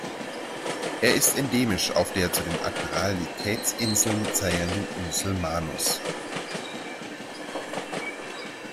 Er ist endemisch auf der zu den Admiralitätsinseln zählenden Insel Manus.